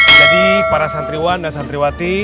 jadi para santriwan dan santriwati